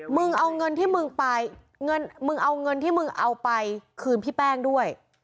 มึงเอาเงินที่มึงเอาไปคืนพี่แป้งด้วย